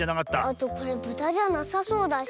あとこれブタじゃなさそうだし。